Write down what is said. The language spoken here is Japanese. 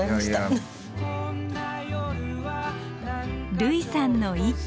類さんの一句。